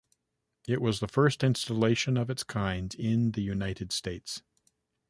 It was the first installation of its kind in the United States.